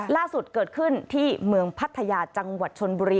ล่าสุดเกิดขึ้นที่เมืองพัทยาจังหวัดชนบุรี